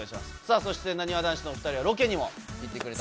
なにわ男子のお２人はロケにも行ってくれた。